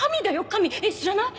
えっ知らない？